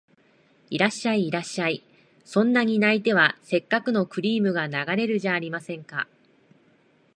いらっしゃい、いらっしゃい、そんなに泣いては折角のクリームが流れるじゃありませんか